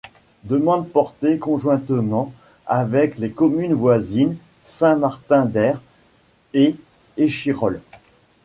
Demande portée conjointement avec les communes voisines, Saint-Martin-d'Hères et Échirolles.